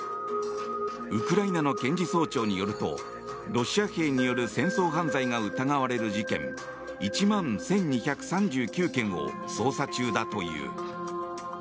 ウクライナの検事総長によるとロシア兵による戦争犯罪が疑われる事件１万１２３９件を捜査中だという。